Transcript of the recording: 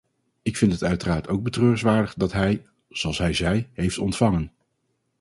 Ik vind het uiteraard ook betreurenswaardig dat hij, zoals hij zei, heeft ontvangen.